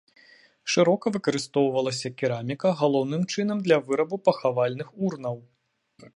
Шырока выкарыстоўвалася кераміка, галоўным чынам для вырабу пахавальных урнаў.